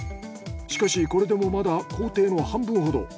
しかしこれでもまだ行程の半分ほど。